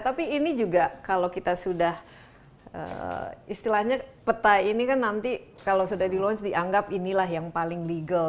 tapi ini juga kalau kita sudah istilahnya peta ini kan nanti kalau sudah di launch dianggap inilah yang paling legal